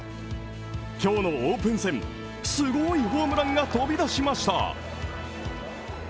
今日のオープン戦、すごいホームランが飛び出しました。